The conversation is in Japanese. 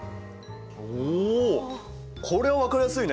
おおこりゃ分かりやすいね！